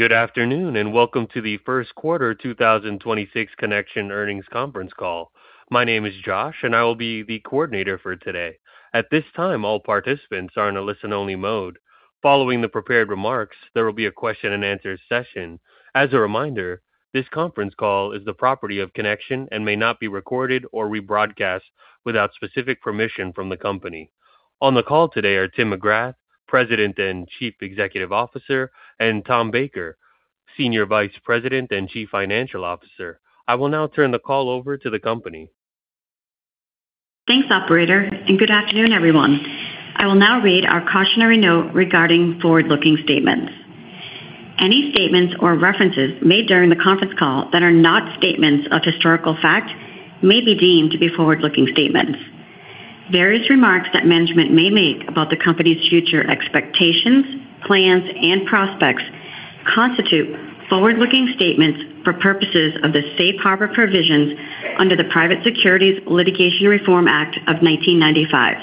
Good afternoon, and welcome to the Q1 2026 Connection earnings conference call. My name is Josh, and I will be the coordinator for today. At this time, all participants are in a listen-only mode. Following the prepared remarks, there will be a question-and-answer session. As a reminder, this conference call is the property of Connection and may not be recorded or rebroadcast without specific permission from the company. On the call today are Tim McGrath, President and Chief Executive Officer, and Tom Baker, Senior Vice President and Chief Financial Officer. I will now turn the call over to the company. Thanks, operator, and good afternoon, everyone. I will now read our cautionary note regarding forward-looking statements. Any statements or references made during the conference call that are not statements of historical fact may be deemed to be forward-looking statements. Various remarks that management may make about the company's future expectations, plans, and prospects constitute forward-looking statements for purposes of the safe harbor provisions under the Private Securities Litigation Reform Act of 1995.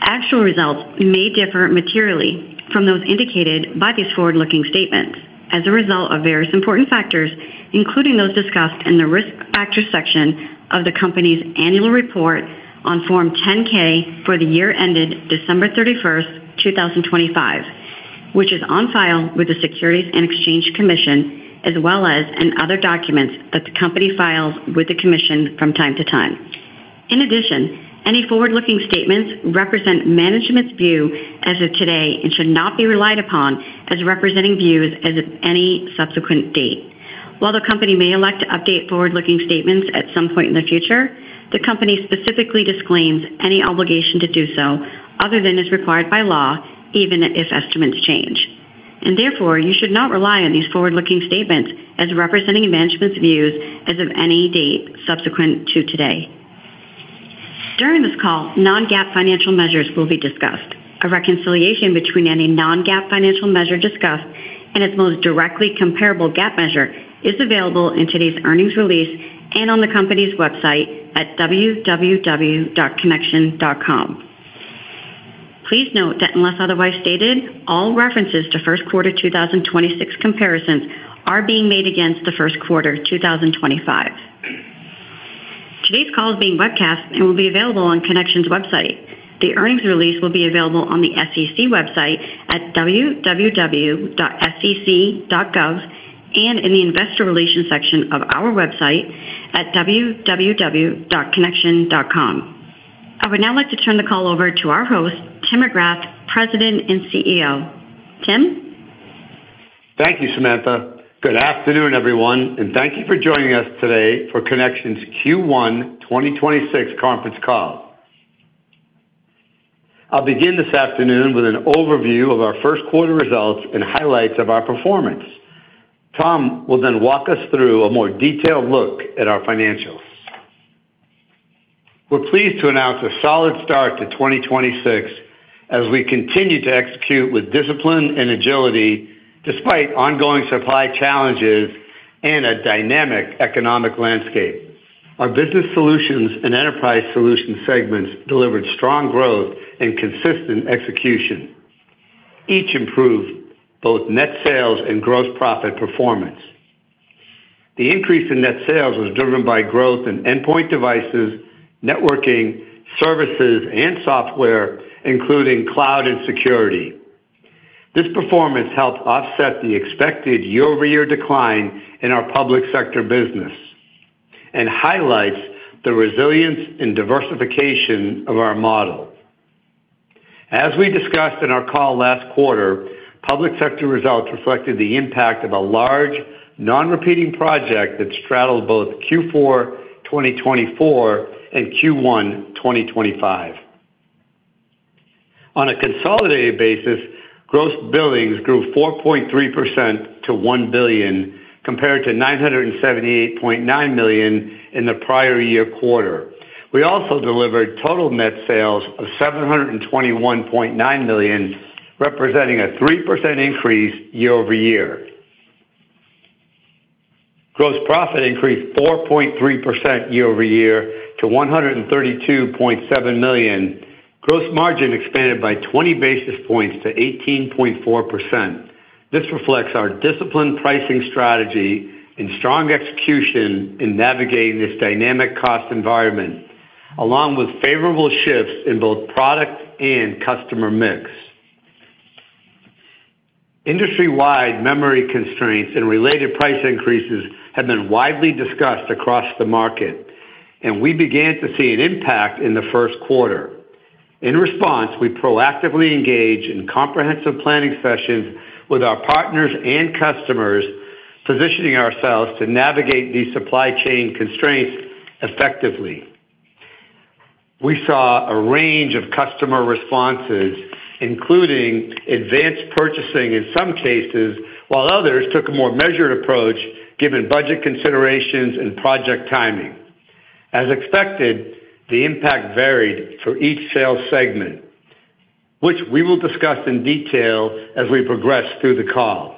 Actual results may differ materially from those indicated by these forward-looking statements as a result of various important factors, including those discussed in the Risk Factors section of the company's annual report on Form 10-K for the year ended December 31st, 2025, which is on file with the Securities and Exchange Commission, as well as in other documents that the company files with the commission from time to time. In addition, any forward-looking statements represent management's view as of today and should not be relied upon as representing views as of any subsequent date. While the company may elect to update forward-looking statements at some point in the future, the company specifically disclaims any obligation to do so other than as required by law, even if estimates change. Therefore, you should not rely on these forward-looking statements as representing management's views as of any date subsequent to today. During this call, non-GAAP financial measures will be discussed. A reconciliation between any non-GAAP financial measure discussed and its most directly comparable GAAP measure is available in today's earnings release and on the company's website at www.connection.com. Please note that unless otherwise stated, all references to Q1 2026 comparisons are being made against the Q1 2025. Today's call is being webcast and will be available on Connection's website. The earnings release will be available on the SEC website at www.sec.gov and in the investor relations section of our website at www.connection.com. I would now like to turn the call over to our host, Tim McGrath, President and CEO. Tim? Thank you, Samantha. Good afternoon, everyone, and thank you for joining us today for Connection's Q1 2026 conference call. I'll begin this afternoon with an overview of our Q1 results and highlights of our performance. Tom will then walk us through a more detailed look at our financials. We're pleased to announce a solid start to 2026 as we continue to execute with discipline and agility despite ongoing supply challenges and a dynamic economic landscape. Our Connection Business Solutions and Connection Enterprise Solutions segments delivered strong growth and consistent execution. Each improved both net sales and gross profit performance. The increase in net sales was driven by growth in endpoint devices, networking, services, and software, including cloud and security. This performance helped offset the expected year-over-year decline in our Connection Public Sector Solutions and highlights the resilience and diversification of our model. As we discussed in our call last quarter, public sector results reflected the impact of a large non-repeating project that straddled both Q4 2024 and Q1 2025. On a consolidated basis, gross billings grew 4.3% to $1 billion, compared to $978.9 million in the prior year quarter. We also delivered total net sales of $721.9 million, representing a 3% increase year-over-year. Gross profit increased 4.3% year-over-year to $132.7 million. Gross margin expanded by 20 basis points to 18.4%. This reflects our disciplined pricing strategy and strong execution in navigating this dynamic cost environment, along with favorable shifts in both product and customer mix. Industry-wide memory constraints and related price increases have been widely discussed across the market, and we began to see an impact in the Q1. In response, we proactively engaged in comprehensive planning sessions with our partners and customers, positioning ourselves to navigate these supply chain constraints effectively. We saw a range of customer responses, including advanced purchasing in some cases, while others took a more measured approach given budget considerations and project timing. As expected, the impact varied for each sales segment, which we will discuss in detail as we progress through the call.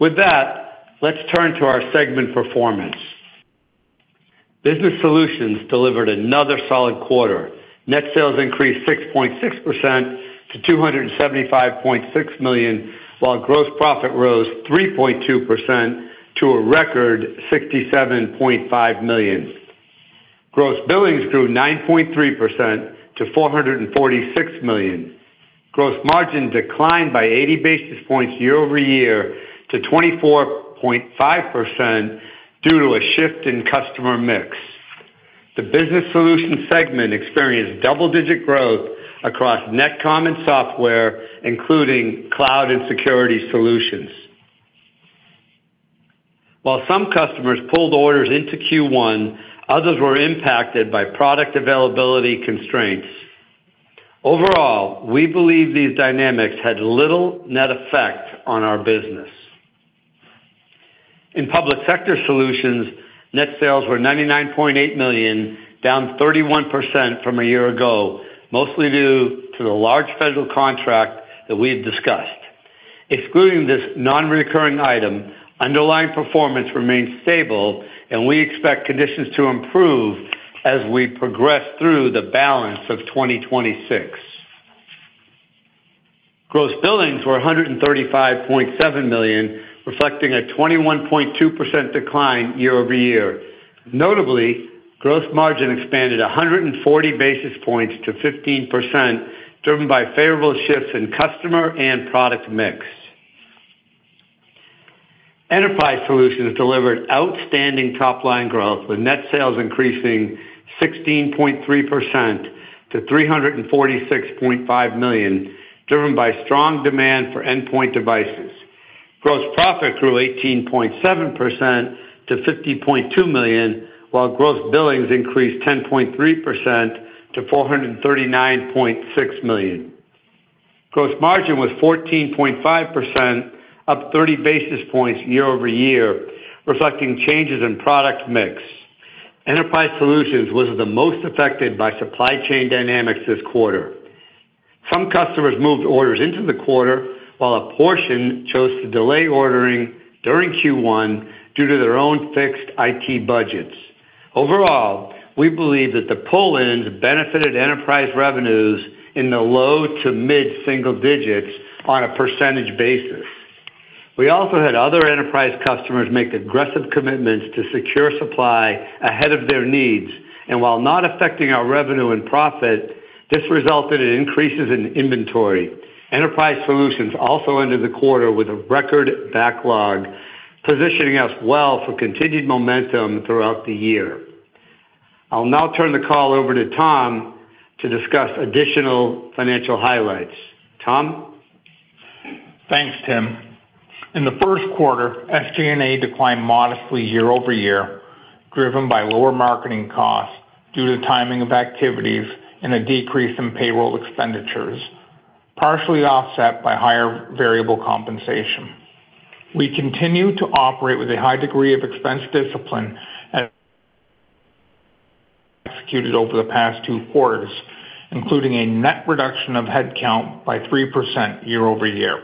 With that, let's turn to our segment performance. Connection Business Solutions delivered another solid quarter. Net sales increased 6.6% to $275.6 million, while gross profit rose 3.2% to a record $67.5 million. Gross billings grew 9.3% to $446 million. Gross margin declined by 80 basis points year-over-year to 24.5% due to a shift in customer mix. The Connection Business Solutions segment experienced double-digit growth across networking and software, including cloud and security solutions. While some customers pulled orders into Q1, others were impacted by product availability constraints. Overall, we believe these dynamics had little net effect on our business. In Connection Public Sector Solutions, net sales were $99.8 million, down 31% from a year ago, mostly due to the large federal contract that we have discussed. Excluding this non-recurring item, underlying performance remains stable and we expect conditions to improve as we progress through the balance of 2026. Gross billings were $135.7 million, reflecting a 21.2% decline year-over-year. Notably, gross margin expanded 140 basis points to 15%, driven by favorable shifts in customer and product mix. Enterprise Solutions delivered outstanding top-line growth, with net sales increasing 16.3% to $346.5 million, driven by strong demand for endpoint devices. Gross profit grew 18.7% to $50.2 million, while gross billings increased 10.3% to $439.6 million. Gross margin was 14.5%, up 30 basis points year-over-year, reflecting changes in product mix. Enterprise Solutions was the most affected by supply chain dynamics this quarter. Some customers moved orders into the quarter, while a portion chose to delay ordering during Q1 due to their own fixed IT budgets. Overall, we believe that the pull-ins benefited enterprise revenues in the low to mid-single digits on a % basis. We also had other enterprise customers make aggressive commitments to secure supply ahead of their needs. While not affecting our revenue and profit, this resulted in increases in inventory. Enterprise Solutions also ended the quarter with a record backlog, positioning us well for continued momentum throughout the year. I'll now turn the call over to Tom to discuss additional financial highlights. Tom? Thanks, Tim. In the Q1, SG&A declined modestly year-over-year, driven by lower marketing costs due to timing of activities and a decrease in payroll expenditures, partially offset by higher variable compensation. We continue to operate with a high degree of expense discipline and executed over the past two quarters, including a net reduction of headcount by 3% year-over-year.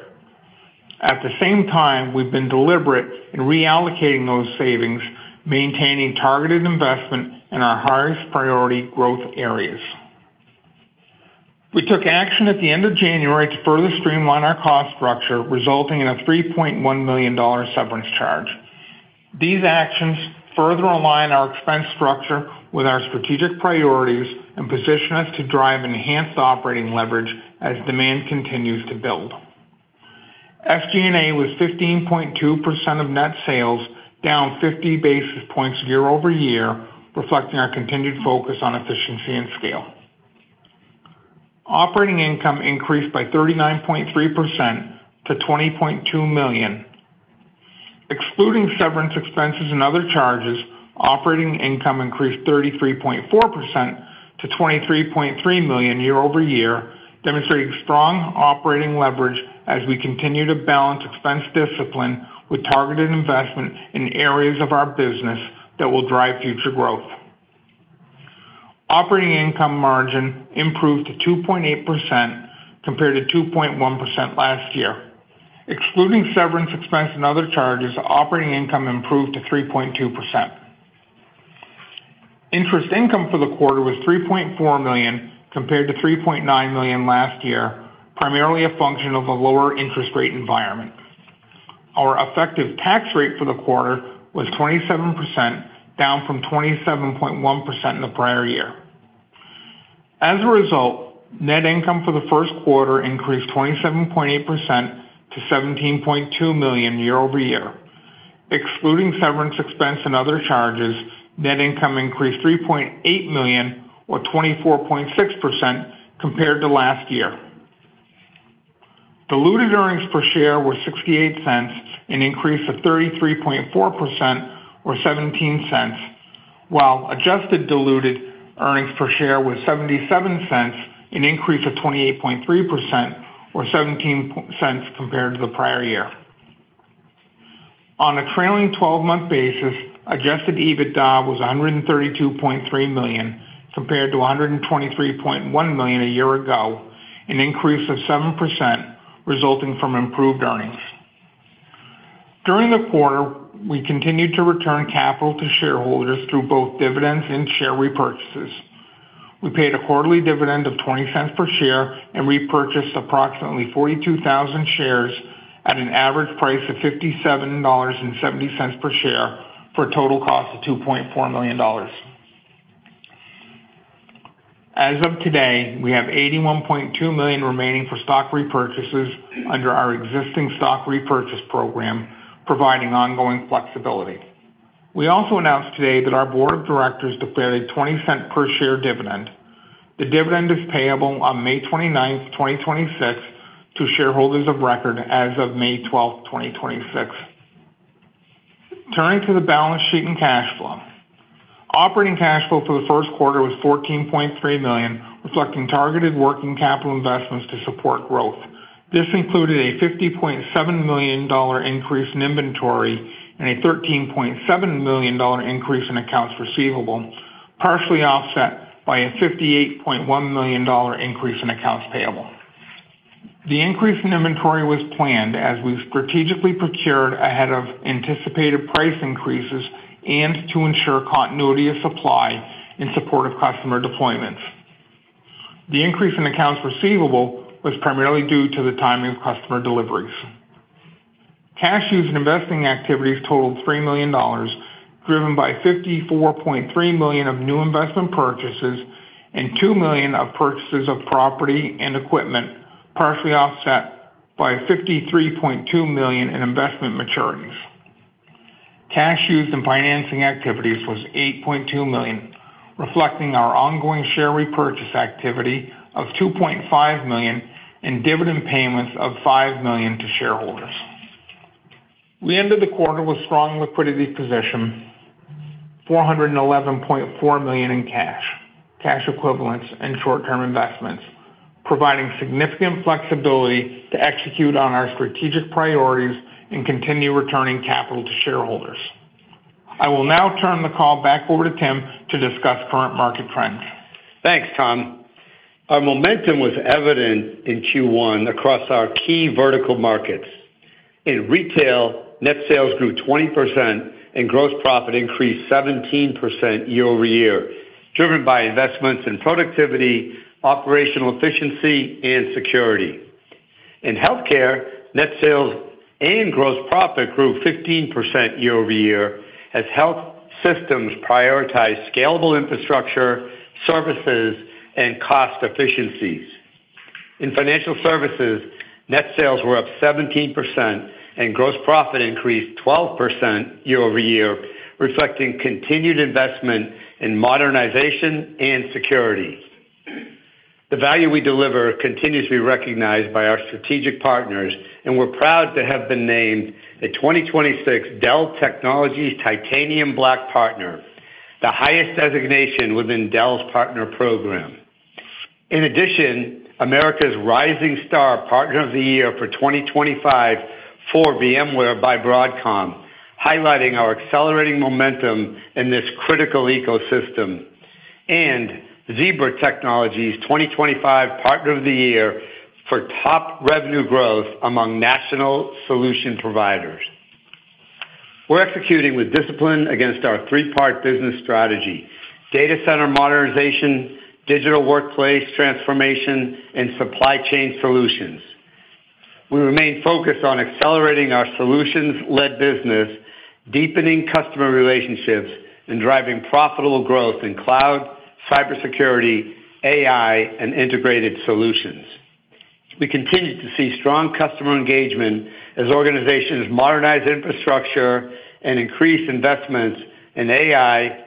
At the same time, we've been deliberate in reallocating those savings, maintaining targeted investment in our highest priority growth areas. We took action at the end of January to further streamline our cost structure, resulting in a $3.1 million severance charge. These actions further align our expense structure with our strategic priorities and position us to drive enhanced operating leverage as demand continues to build. SG&A was 15.2% of net sales, down 50 basis points year-over-year, reflecting our continued focus on efficiency and scale. Operating income increased by 39.3% to $20.2 million. Excluding severance expenses and other charges, operating income increased 33.4% to $23.3 million year-over-year, demonstrating strong operating leverage as we continue to balance expense discipline with targeted investment in areas of our business that will drive future growth. Operating income margin improved to 2.8% compared to 2.1% last year. Excluding severance expense and other charges, operating income improved to 3.2%. Interest income for the quarter was $3.4 million compared to $3.9 million last year, primarily a function of a lower interest rate environment. Our effective tax rate for the quarter was 27%, down from 27.1% in the prior year. As a result, net income for the Q1 increased 27.8% to $17.2 million year-over-year. Excluding severance expense and other charges, net income increased $3.8 million or 24.6% compared to last year. Diluted earnings per share were $0.68, an increase of 33.4% or $0.17, while adjusted diluted earnings per share was $0.77, an increase of 28.3% or $0.17 compared to the prior year. On a trailing twelve-month basis, adjusted EBITDA was $132.3 million compared to $123.1 million a year ago, an increase of 7% resulting from improved earnings. During the quarter, we continued to return capital to shareholders through both dividends and share repurchases. We paid a quarterly dividend of $0.20 per share and repurchased approximately 42,000 shares at an average price of $57.70 per share for a total cost of $2.4 million. As of today, we have $81.2 million remaining for stock repurchases under our existing stock repurchase program, providing ongoing flexibility. We also announced today that our board of directors declared a $0.20 per share dividend. The dividend is payable on May 29, 2026 to shareholders of record as of May 12, 2026. Turning to the balance sheet and cash flow. Operating cash flow for the Q1 was $14.3 million, reflecting targeted working capital investments to support growth. This included a $50.7 million increase in inventory and a $13.7 million increase in accounts receivable, partially offset by a $58.1 million increase in accounts payable. The increase in inventory was planned as we strategically procured ahead of anticipated price increases and to ensure continuity of supply in support of customer deployments. The increase in accounts receivable was primarily due to the timing of customer deliveries. Cash used in investing activities totaled $3 million, driven by $54.3 million of new investment purchases and $2 million of purchases of property and equipment, partially offset by $53.2 million in investment maturities. Cash used in financing activities was $8.2 million, reflecting our ongoing share repurchase activity of $2.5 million and dividend payments of $5 million to shareholders. We ended the quarter with strong liquidity position, $411.4 million in cash equivalents, and short-term investments, providing significant flexibility to execute on our strategic priorities and continue returning capital to shareholders. I will now turn the call back over to Tim to discuss current market trends. Thanks, Tom. Our momentum was evident in Q1 across our key vertical markets. In retail, net sales grew 20% and gross profit increased 17% year-over-year, driven by investments in productivity, operational efficiency, and security. In healthcare, net sales and gross profit grew 15% year-over-year as health systems prioritized scalable infrastructure, services, and cost efficiencies. In financial services, net sales were up 17% and gross profit increased 12% year-over-year, reflecting continued investment in modernization and security. The value we deliver continues to be recognized by our strategic partners. We're proud to have been named the 2026 Dell Technologies Titanium Black Partner, the highest designation within Dell's partner program. In addition, America's Rising Star Partner of the Year for 2025 for VMware by Broadcom, highlighting our accelerating momentum in this critical ecosystem. Zebra Technologies 2025 Partner of the Year for top revenue growth among national solution providers. We're executing with discipline against our three-part business strategy: data center modernization, digital workplace transformation, and supply chain solutions. We remain focused on accelerating our solutions-led business, deepening customer relationships, and driving profitable growth in cloud, cybersecurity, AI, and integrated solutions. We continue to see strong customer engagement as organizations modernize infrastructure and increase investments in AI,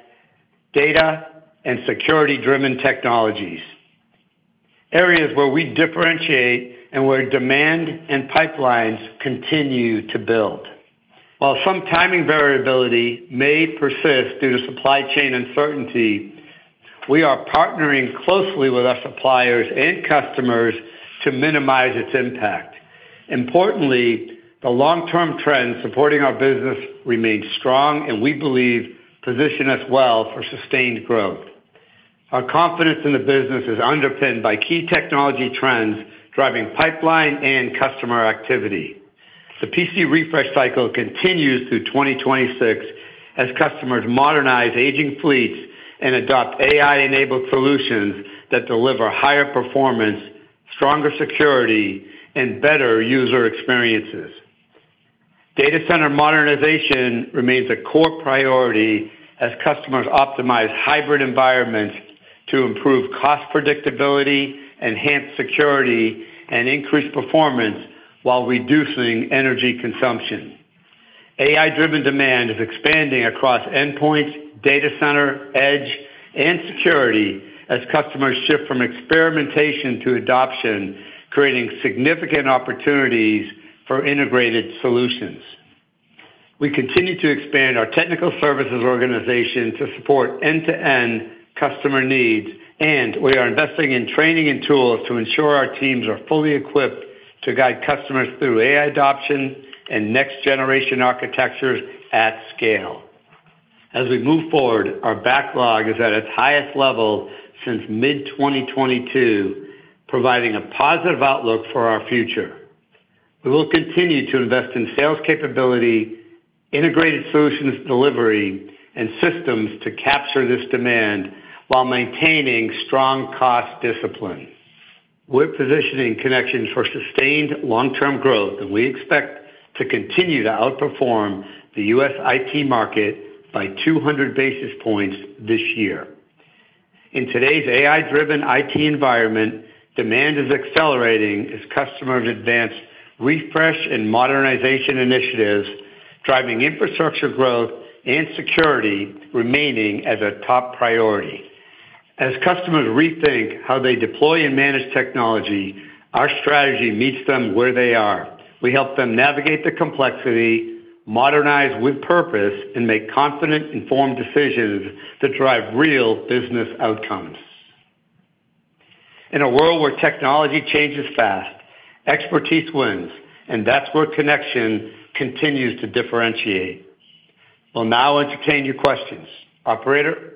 data, and security-driven technologies, areas where we differentiate and where demand and pipelines continue to build. While some timing variability may persist due to supply chain uncertainty, we are partnering closely with our suppliers and customers to minimize its impact. Importantly, the long-term trends supporting our business remain strong and we believe position us well for sustained growth. Our confidence in the business is underpinned by key technology trends driving pipeline and customer activity. The PC refresh cycle continues through 2026 as customers modernize aging fleets and adopt AI-enabled solutions that deliver higher performance, stronger security, and better user experiences. Data center modernization remains a core priority as customers optimize hybrid environments to improve cost predictability, enhance security, and increase performance while reducing energy consumption. AI-driven demand is expanding across endpoints, data center, edge, and security as customers shift from experimentation to adoption, creating significant opportunities for integrated solutions. We continue to expand our technical services organization to support end-to-end customer needs, and we are investing in training and tools to ensure our teams are fully equipped to guide customers through AI adoption and next-generation architectures at scale. As we move forward, our backlog is at its highest level since mid-2022, providing a positive outlook for our future. We will continue to invest in sales capability, integrated solutions delivery, and systems to capture this demand while maintaining strong cost discipline. We're positioning Connection for sustained long-term growth, and we expect to continue to outperform the U.S. IT market by 200 basis points this year. In today's AI-driven IT environment, demand is accelerating as customers advance refresh and modernization initiatives, driving infrastructure growth and security remaining as a top priority. As customers rethink how they deploy and manage technology, our strategy meets them where they are. We help them navigate the complexity, modernize with purpose, and make confident, informed decisions that drive real business outcomes. In a world where technology changes fast, expertise wins, and that's where Connection continues to differentiate. We'll now entertain your questions. Operator?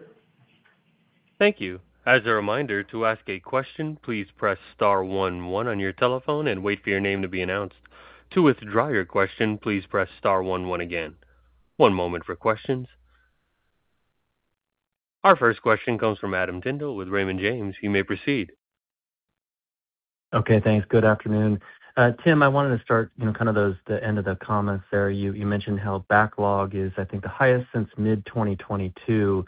Thank you. Our first question comes from Adam Tindle with Raymond James. You may proceed. Okay, thanks. Good afternoon. Tim, I wanted to start, you know, kind of those, the end of the comments there. You mentioned how backlog is, I think, the highest since mid 2022.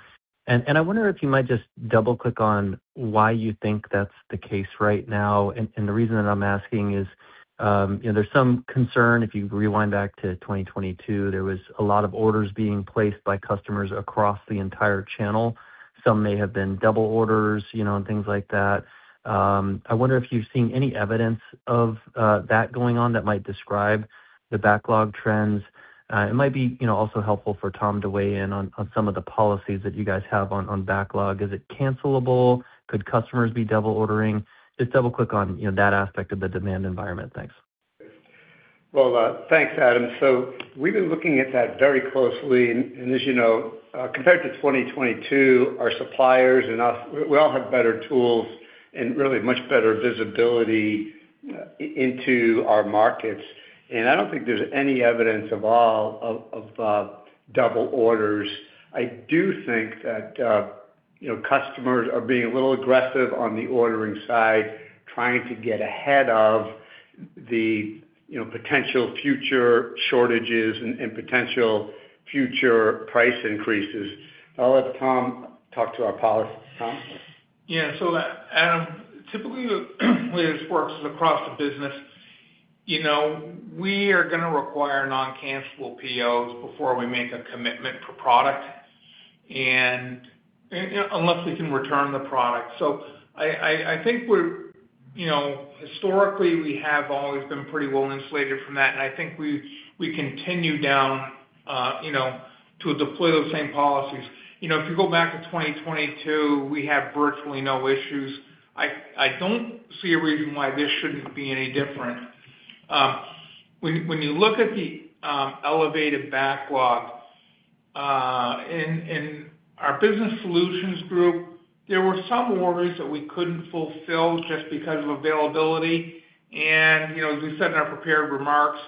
I wonder if you might just double-click on why you think that's the case right now. The reason that I'm asking is, you know, there's some concern, if you rewind back to 2022, there was a lot of orders being placed by customers across the entire channel. Some may have been double orders, you know, and things like that. I wonder if you've seen any evidence of that going on that might describe the backlog trends. It might be, you know, also helpful for Tom to weigh in on some of the policies that you guys have on backlog. Is it cancelable? Could customers be double ordering? Just double-click on, you know, that aspect of the demand environment. Thanks. Thanks, Adam. We've been looking at that very closely. As you know, compared to 2022, our suppliers and us, we all have better tools and really much better visibility into our markets. I don't think there's any evidence at all of double orders. I do think that, you know, customers are being a little aggressive on the ordering side, trying to get ahead of the, you know, potential future shortages and potential future price increases. I'll let Tom talk to our policy. Tom? Yeah. Adam, typically, the way this works is across the business, you know, we are going to require non-cancelable POs before we make a commitment for product, and unless we can return the product. I think we're, you know, historically, we have always been pretty well insulated from that, and I think we continue down, you know, to deploy those same policies. You know, if you go back to 2022, we had virtually no issues. I don't see a reason why this shouldn't be any different. When you look at the elevated backlog in our Connection Business Solutions, there were some orders that we couldn't fulfill just because of availability. You know, as we said in our prepared remarks,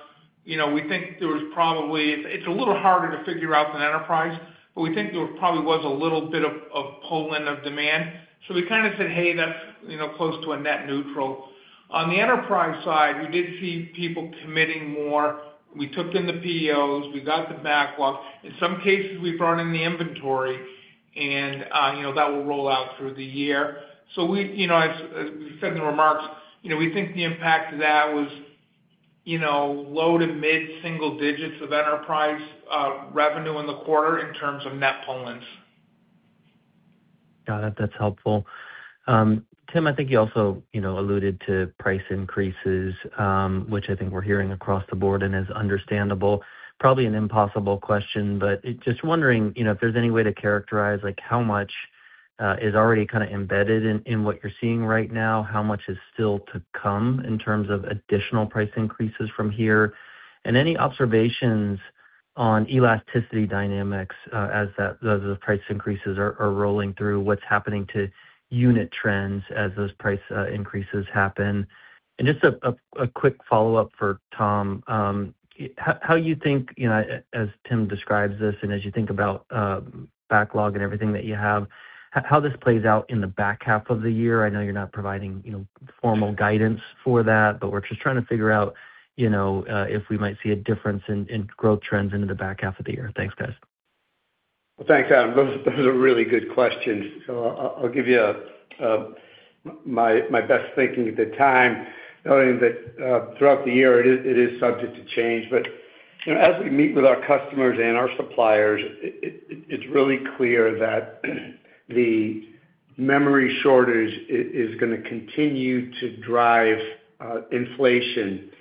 you know, we think there was probably. It's a little harder to figure out than enterprise, but we think there probably was a little bit of pull-in of demand. We kinda said, Hey, that's, you know, close to a net neutral. On the enterprise side, we did see people committing more. We took in the POs. We got the backlog. In some cases, we brought in the inventory and, you know, that will roll out through the year. We, you know, as we said in the remarks, you know, we think the impact of that was, you know, low to mid-single digits of enterprise revenue in the quarter in terms of net pull-ins. Got it. That's helpful. Tim, I think you also, you know, alluded to price increases, which I think we're hearing across the board and is understandable. Probably an impossible question, but just wondering, you know, if there's any way to characterize, like, how much is already kinda embedded in what you're seeing right now? How much is still to come in terms of additional price increases from here? Any observations on elasticity dynamics, as that, those price increases are rolling through? What's happening to unit trends as those price increases happen? Just a quick follow-up for Tom. how you think, you know, as Tim describes this and as you think about backlog and everything that you have, how this plays out in the back half of the year? I know you're not providing, you know, formal guidance for that, but we're just trying to figure out, you know, if we might see a difference in growth trends into the back half of the year. Thanks, guys. Thanks, Adam. Those are really good questions. I'll give you my best thinking at the time, noting that throughout the year it is subject to change. You know, as we meet with our customers and our suppliers, it's really clear that the memory shortage is gonna continue to drive inflation.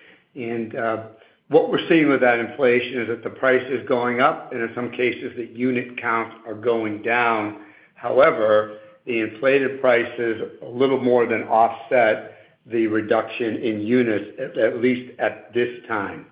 What we're seeing with that inflation is that the price is going up and in some cases the unit counts are going down. However, the inflated prices a little more than offset the reduction in units, at least at this time.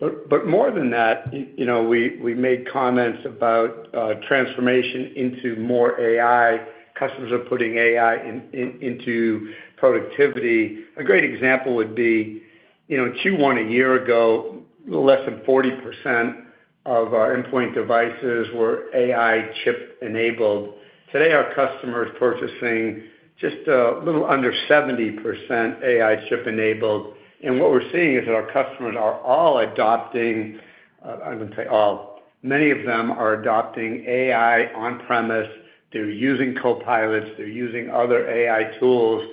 More than that, you know, we made comments about transformation into more AI. Customers are putting AI into productivity. A great example would be, you know, Q1 a year ago, less than 40% of our endpoint devices were AI chip-enabled. Today, our customers purchasing just a little under 70% AI chip-enabled. What we're seeing is that our customers are all adopting, I wouldn't say all, many of them are adopting AI on-premise. They're using Copilots, they're using other AI tools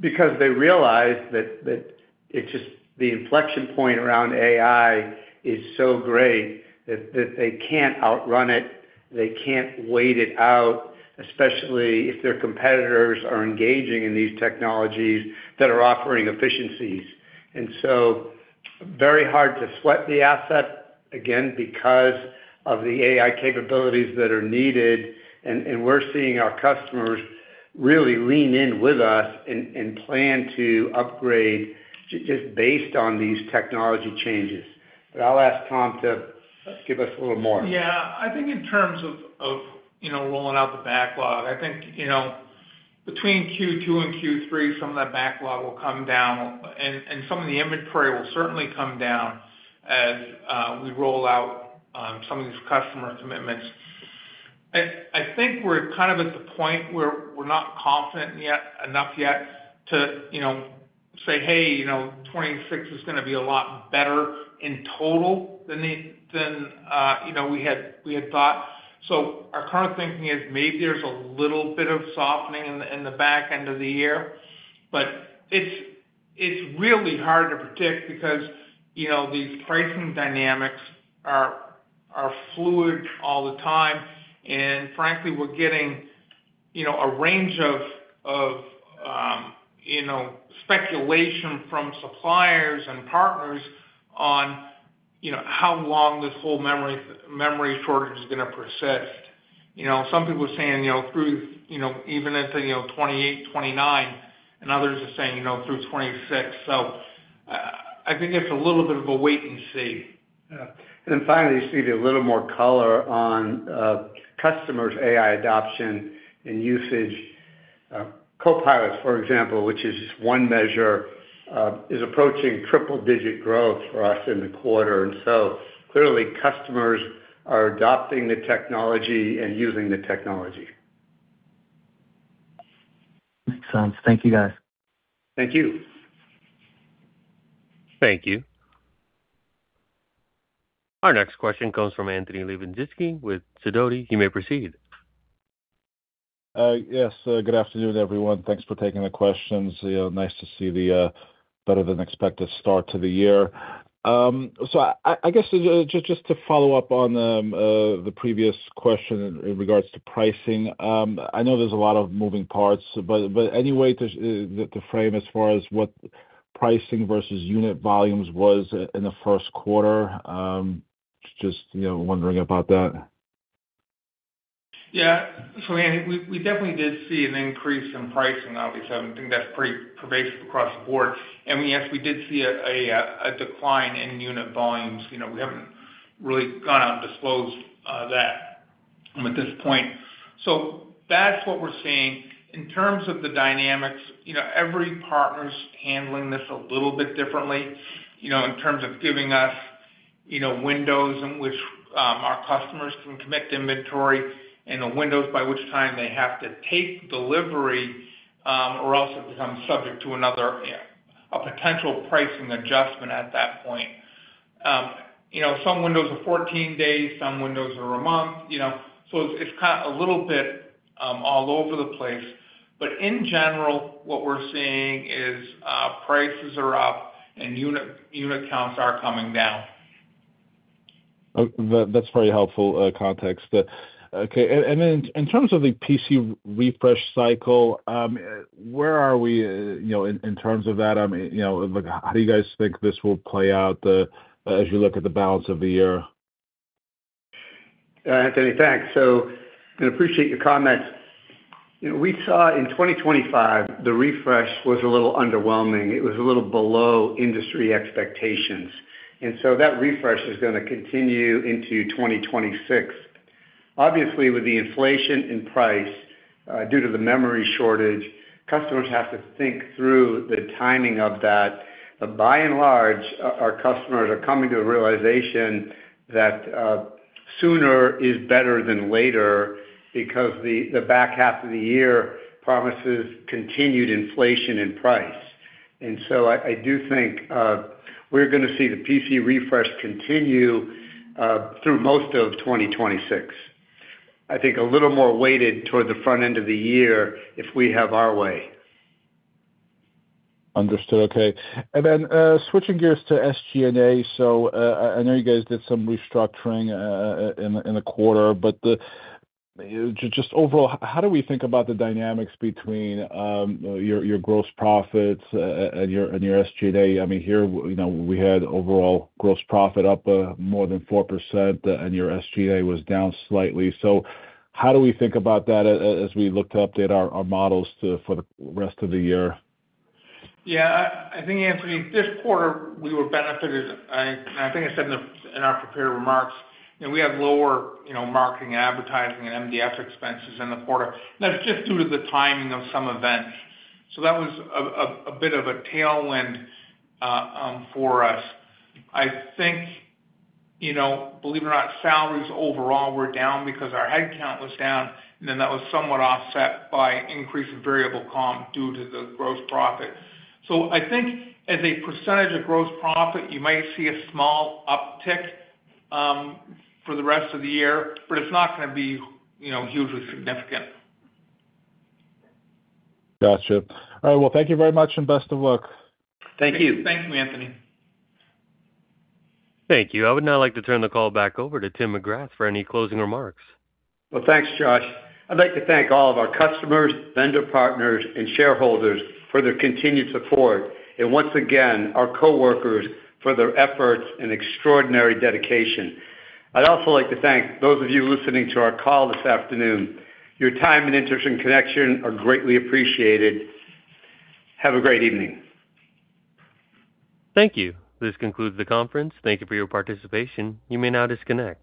because they realize that it's just the inflection point around AI is so great that they can't outrun it, they can't wait it out, especially if their competitors are engaging in these technologies that are offering efficiencies. Very hard to sweat the asset, again, because of the AI capabilities that are needed. We're seeing our customers really lean in with us and plan to upgrade just based on these technology changes. I'll ask Tom to give us a little more. I think in terms of, you know, rolling out the backlog, I think, you know, between Q2 and Q3, some of that backlog will come down and some of the inventory will certainly come down as we roll out some of these customer commitments. I think we're kind of at the point where we're not confident enough yet to, you know, say, "Hey, you know, 2026 is going to be a lot better in total than the, you know, we had thought." Our current thinking is maybe there's a little bit of softening in the back end of the year. It's really hard to predict because, you know, these pricing dynamics are fluid all the time. Frankly, we're getting, you know, a range of, you know, speculation from suppliers and partners on, you know, how long this whole memory shortage is gonna persist. You know, some people are saying, you know, through, you know, even into, you know, 2028, 2029, and others are saying, you know, through 2026. I think it's a little bit of a wait and see. Yeah. Finally, Steve, a little more color on customers' AI adoption and usage. Copilots, for example, which is one measure, is approaching triple-digit growth for us in the quarter. Clearly, customers are adopting the technology and using the technology. Makes sense. Thank you, guys. Thank you. Thank you. Our next question comes from Anthony Lebiedzinski with Sidoti. You may proceed. Yes, good afternoon, everyone. Thanks for taking the questions. You know, nice to see the better than expected start to the year. I guess just to follow up on the previous question in regards to pricing, I know there's a lot of moving parts, but any way to frame as far as what pricing versus unit volumes was in the Q1? Just, you know, wondering about that. Yeah. Anthony, we definitely did see an increase in pricing, obviously. I think that's pretty pervasive across the board. Yes, we did see a decline in unit volumes. You know, we haven't really gone out and disclosed that at this point. That's what we're seeing. In terms of the dynamics, you know, every partner's handling this a little bit differently, you know, in terms of giving us, you know, windows in which our customers can commit inventory and the windows by which time they have to take delivery, or else it becomes subject to another, a potential pricing adjustment at that point. You know, some windows are 14 days, some windows are a month, you know. It's a little bit all over the place. In general, what we're seeing is prices are up and unit counts are coming down. Oh, that's very helpful context. Okay. Then in terms of the PC refresh cycle, where are we, you know, in terms of that? I mean, you know, like how do you guys think this will play out as you look at the balance of the year? Anthony, thanks. And appreciate your comments. You know, we saw in 2025, the refresh was a little underwhelming. It was a little below industry expectations. That refresh is gonna continue into 2026. Obviously, with the inflation in price, due to the memory shortage, customers have to think through the timing of that. By and large, our customers are coming to a realization that, sooner is better than later because the back half of the year promises continued inflation in price. I do think, we're gonna see the PC refresh continue, through most of 2026. I think a little more weighted toward the front end of the year if we have our way. Understood. Okay. Switching gears to SG&A. I know you guys did some restructuring in the quarter, but just overall, how do we think about the dynamics between your gross profits and your SG&A? I mean, here, you know, we had overall gross profit up more than 4%, and your SG&A was down slightly. How do we think about that as we look to update our models for the rest of the year? I think, Anthony, this quarter, we were benefited, I think I said in our prepared remarks, you know, we have lower, you know, marketing, advertising, and MDF expenses in the quarter. That's just due to the timing of some events. That was a bit of a tailwind for us. I think, you know, believe it or not, salaries overall were down because our headcount was down, that was somewhat offset by increase in variable comp due to the gross profit. I think as a percentage of gross profit, you might see a small uptick for the rest of the year, it's not gonna be, you know, hugely significant. Gotcha. All right. Well, thank you very much, and best of luck. Thank you. Thanks. Thanks, Anthony. Thank you. I would now like to turn the call back over to Timothy McGrath for any closing remarks. Well, thanks, Josh. I'd like to thank all of our customers, vendor partners, and shareholders for their continued support, and once again, our coworkers for their efforts and extraordinary dedication. I'd also like to thank those of you listening to our call this afternoon. Your time and interest and Connection are greatly appreciated. Have a great evening. Thank you. This concludes the conference. Thank you for your participation. You may now disconnect.